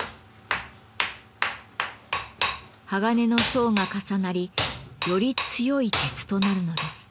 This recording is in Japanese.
鋼の層が重なりより強い鉄となるのです。